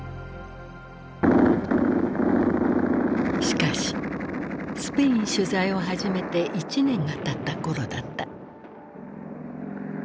しかしスペイン取材を始めて１年がたった頃だった。